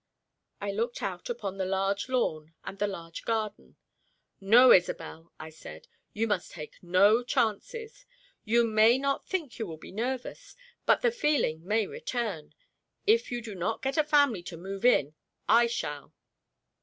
I looked out upon the large lawn and the large garden. "No, Isobel," I said, "you must take no chances. You may not think you will be nervous, but the feeling may return. If you do not get a family to move in, I shall!"